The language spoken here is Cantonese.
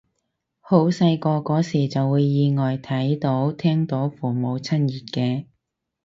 好細個嗰時就會意外睇到聽到父母親熱嘅